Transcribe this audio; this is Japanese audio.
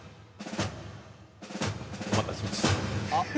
お待たせしました。